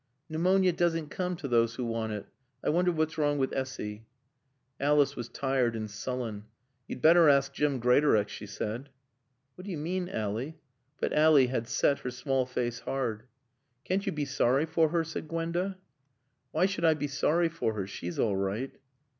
"Pneumonia doesn't come to those who want it. I wonder what's wrong with Essy." Alice was tired and sullen. "You'd better ask Jim Greatorex," she said. "What do you mean, Ally?" But Ally had set her small face hard. "Can't you he sorry for her?" said Gwenda. "Why should I be sorry for her? She's all right."